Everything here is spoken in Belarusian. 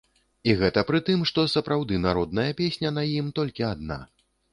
І гэта пры тым, што сапраўды народная песня на ім толькі адна.